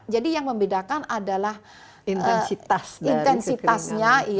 jadi yang membedakan adalah intensitasnya